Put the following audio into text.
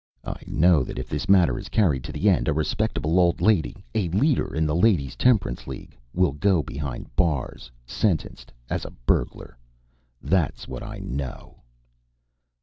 I know that, if this matter is carried to the end, a respectable old lady a leader in the Ladies' Temperance League will go behind the bars, sentenced as a burglar! That's what I know!"